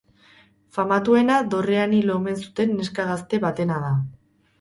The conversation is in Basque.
Famatuena dorrean hil omen zuten neska gazte batena da.